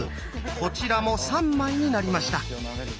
こちらも３枚になりました。